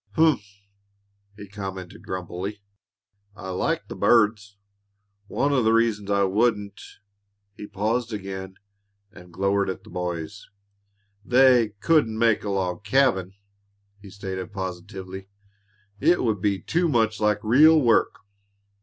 "Humph!" he commented grumpily, "I I like the birds. One o' the reasons I wouldn't " He paused again and glowered at the boys. "They couldn't make a log cabin," he stated positively. "It would be too much like real work."